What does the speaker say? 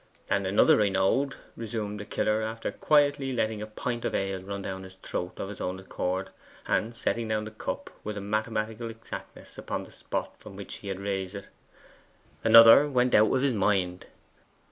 'And another I knowed,' resumed the killer, after quietly letting a pint of ale run down his throat of its own accord, and setting down the cup with mathematical exactness upon the spot from which he had raised it 'another went out of his mind.